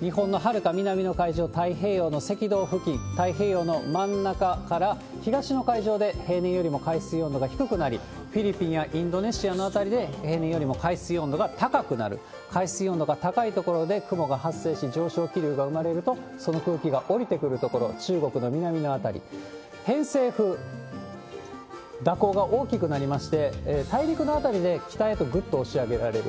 日本のはるか南の海上、太平洋の赤道付近、太平洋の真ん中から東の海上で平年よりも海水温度が低くなり、フィリピンやインドネシアの辺りで平年よりも海水温度が高くなる、海水温度が高い所で雲が発生し、上昇気流が生まれると、その空気が下りてくるところ、中国の南の辺り、偏西風、蛇行が大きくなりまして、大陸の辺りで北へとぐっと押し上げられる。